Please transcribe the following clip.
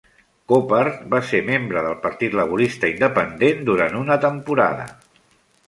Coppard va ser membre del Partit Laborista Independent durant una temporada.